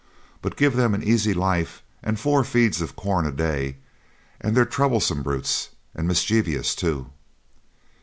But give them an easy life and four feeds of corn a day, and they're troublesome brutes, and mischievous too.